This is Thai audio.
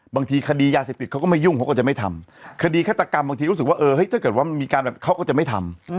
บางทีคดียาเสพติดเขาก็ไม่ยุ่งเขาก็จะไม่ทำคดีฆาตกรรมบางทีรู้สึกว่าเออถ้าเกิดว่ามันมีการแบบเขาก็จะไม่ทำ